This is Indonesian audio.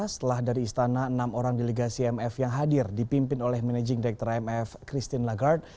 setelah dari istana enam orang delegasi imf yang hadir dipimpin oleh managing director imf christine lagarde